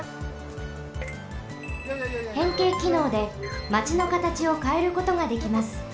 へんけいきのうでマチの形をかえることができます。